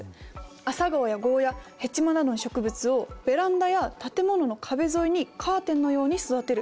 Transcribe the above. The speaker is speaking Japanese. アサガオやゴーヤヘチマなどの植物をベランダや建物の壁沿いにカーテンのように育てる。